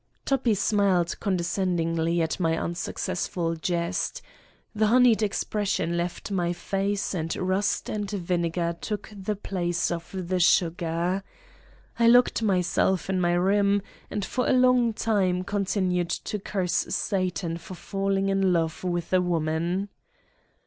Toppi smiled condescendingly at my unsuccess ful jest. The honeyed expression left my face and rust and vinegar took the place of the sugar. I locked myself in my room and for a long time continued to curse Satan for falling in love with a woman.